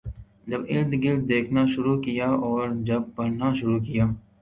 جب اردگرد دیکھنا شروع کیا اور جب پڑھنا شروع کیا